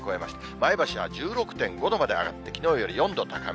前橋は１６．５度まで上がって、きのうより４度高め。